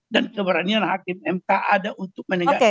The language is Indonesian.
dan keberanian hakim mk ada untuk menegakkan